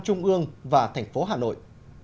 trung ương và thành phố hà nội